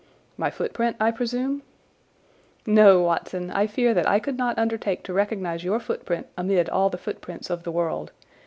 "My footprint, I presume?" "No, Watson, I fear that I could not undertake to recognize your footprint amid all the footprints of the world.